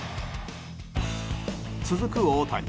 続く大谷。